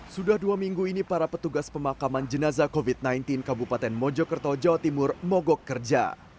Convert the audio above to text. sudah dua minggu ini para petugas pemakaman jenazah covid sembilan belas kabupaten mojokerto jawa timur mogok kerja